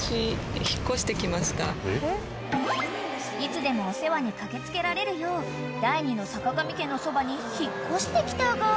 ［いつでもお世話に駆け付けられるよう第２のさかがみ家のそばに引っ越してきたが］